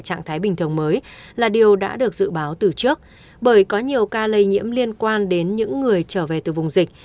trạng thái bình thường mới là điều đã được dự báo từ trước bởi có nhiều ca lây nhiễm liên quan đến những người trở về từ vùng dịch